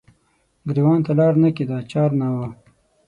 ګریوان ته لار نه کیده چار نه وه